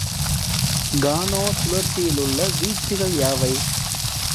கானோ சுழற்சியிலுள்ள வீச்சுகள் யாவை?